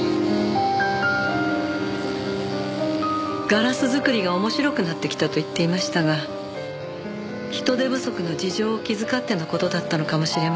ガラス作りが面白くなってきたと言っていましたが人手不足の事情を気遣っての事だったのかもしれません。